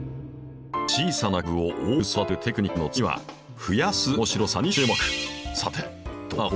小さな株を大きく育てるテクニックの次は増やす面白さに注目。